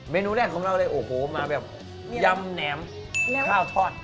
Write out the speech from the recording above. นูแรกของเราเลยโอ้โหมาแบบยำแหนมข้าวทอด